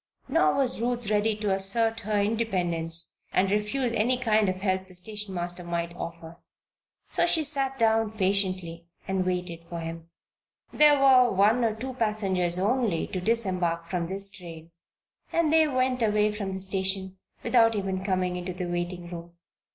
Nor was Ruth ready to assert her independence and refuse any kind of help the station master might offer. So she sat down patiently and waited for him. There were one or two passengers only to disembark from this train and they went away from the station without even coming into the waiting room.